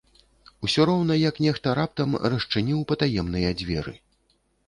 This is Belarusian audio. Усё роўна як нехта раптам расчыніў патаемныя дзверы.